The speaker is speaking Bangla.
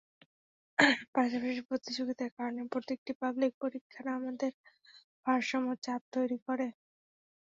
পাশাপাশি প্রতিযোগিতার কারণে প্রত্যেকটি পাবলিক পরীক্ষার আমাদের পাহাড়সম চাপ তৈরি করে।